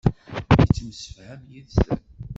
Yettemsefham yid-sen.